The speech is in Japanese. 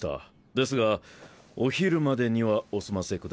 ですがお昼までにはお済ませください。